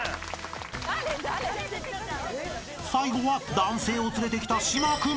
［最後は男性を連れてきた島君］